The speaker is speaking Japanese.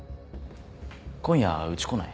今夜うち来ない？